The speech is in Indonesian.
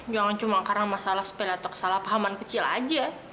jangan cuma karena masalah sepeda atau kesalahpahaman kecil aja